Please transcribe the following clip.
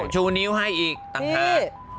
ชูนิ้วให้อีกต่างหาก